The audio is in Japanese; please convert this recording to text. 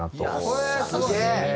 すげえ！